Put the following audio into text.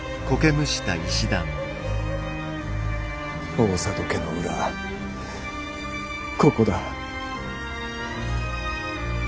大郷家の裏ここだ。